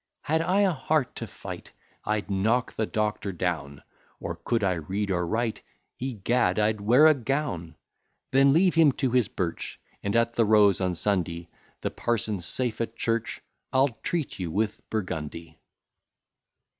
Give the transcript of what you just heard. Had I a heart to fight, I'd knock the Doctor down; Or could I read or write, Egad! I'd wear a gown. Then leave him to his birch; And at the Rose on Sunday, The parson safe at church, I'll treat you with burgundy.